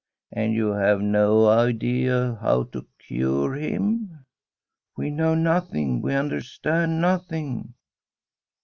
' And you have no idea how to cure him ?'* We know nothing, we understand nothing.'